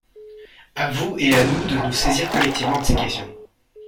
À vous et à nous de nous saisir collectivement de ces questions.